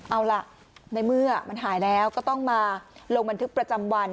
เอาล่ะในเมื่อมันหายแล้วก็ต้องมาลงบันทึกประจำวัน